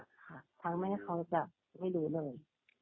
ค่ะทางแม่เค้าจะไม่รู้เลย